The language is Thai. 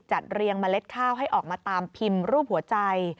เรียงเมล็ดข้าวให้ออกมาตามพิมพ์รูปหัวใจ